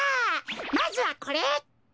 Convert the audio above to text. まずはこれ。